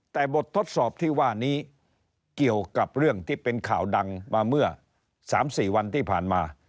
แต่บททดสอบที่ว่านี้เกี่ยวกับเรื่องที่เป็นข่าวดังมาเมื่อ๓๔วันที่ผ่านมา